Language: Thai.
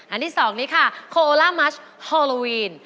อันที่สองนี่ค่ะโคโล่ล่ามัชฮอลโลวีน